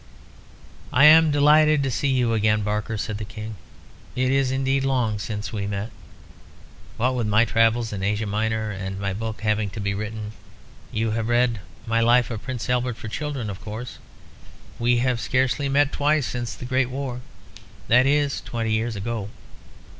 "I am delighted to see you again, Barker," said the King. "It is indeed long since we met. What with my travels in Asia Minor, and my book having to be written (you have read my 'Life of Prince Albert for Children,' of course?), we have scarcely met twice since the Great War. That is twenty years ago."